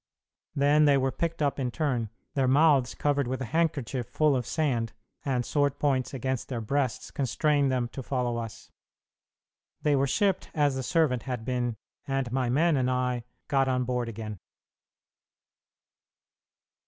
Then they were picked up in turn, their mouths covered with a handkerchief full of sand, and sword points against their breasts constrained them to follow us. They were shipped as the servant had been, and my men and I got on board again.